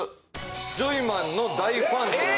ジョイマンの大ファンという。